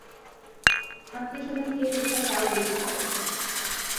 আত্মীয়স্বজন কে কোথায়, তাও বলতে পারে না।